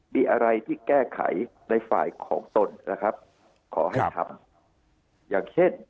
มีอะไรที่แก้ไขในฝ่ายของส้นนะครับขอให้ทำ